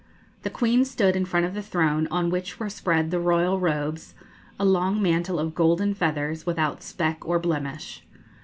The Queen stood in front of the throne, on which were spread the royal robes, a long mantle of golden feathers, without speck or blemish.